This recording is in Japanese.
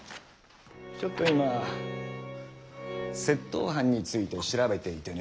ちょっと今窃盗犯について調べていてね。